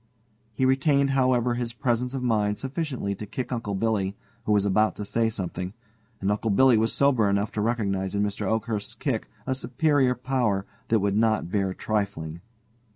He retained, however, his presence of mind sufficiently to kick Uncle Billy, who was about to say something, and Uncle Billy was sober enough to recognize in Mr. Oakhurst's kick a superior power that would not bear trifling.